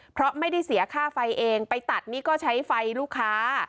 เพราะไม่ได้เสียค่าไฟเองไปตัดนี่ก็ใช้ไฟลูกค้า